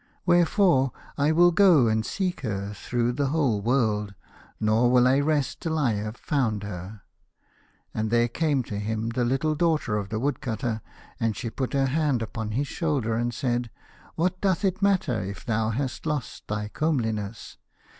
Wherefore I will go and seek her through the whole world, nor will I rest till I have found her." And there came to him the little daughter of the Woodcutter, and she put her hand upon his shoulder and said, " What doth it matter if thou hast lost thy comeliness